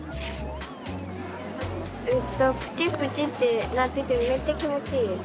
えっとプチプチってなっててめっちゃきもちいいです。